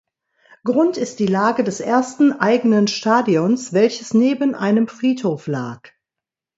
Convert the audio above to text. Grund ist die Lage des ersten eigenen Stadions, welches neben einem Friedhof lag.